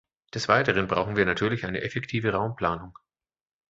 Des Weiteren brauchen wir natürlich eine effektive Raumplanung.